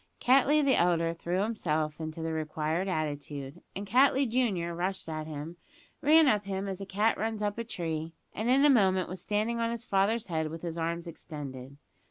Cattley the elder threw himself into the required attitude; and Cattley junior, rushed at him, ran up him as a cat runs up a tree, and in a moment was standing on his father's head with his arms extended.